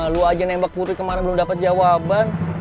lu aja nembak putri kemarin belum dapat jawaban